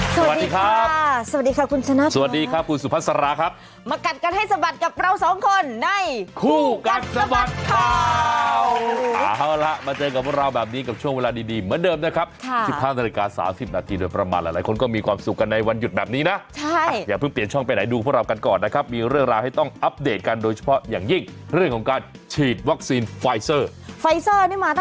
สวัสดีครับสวัสดีค่ะสวัสดีค่ะสวัสดีค่ะสวัสดีค่ะสวัสดีค่ะสวัสดีค่ะสวัสดีค่ะสวัสดีค่ะสวัสดีค่ะสวัสดีค่ะสวัสดีค่ะสวัสดีค่ะสวัสดีค่ะสวัสดีค่ะสวัสดีค่ะสวัสดีค่ะสวัสดีค่ะสวัสดีค่ะสวัสดีค่ะสวัสดีค่ะสวัสดีค่ะสวั